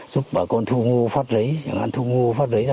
giúp bà con thu ngô phát lấy thường ăn thu ngô phát lấy